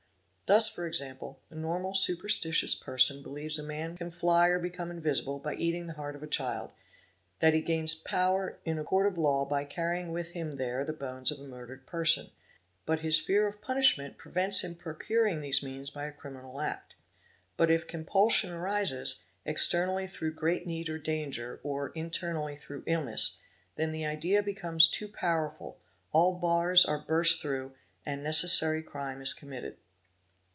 Thus for example the normal superstitious person believes a man can fly or become invisible by eating the heart of a child, that he gains power in a Court of Law by carrying with him there the bones of a murdered person; but his fear of punish ment prevents him procuring these means by a criminal act. But if compulsion arises, externally through great need or danger, or internally through illness, then the idea becomes too powerful, all bars are burst' through, and the necessary crime is committed.